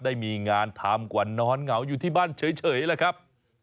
ได้มีงานทำกว่านอนเหงาอยู่ที่บ้านเฉยแหละครับ